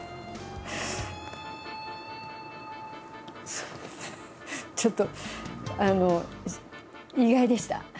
そうちょっとあの意外でした。